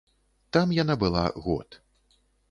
Там яна была год.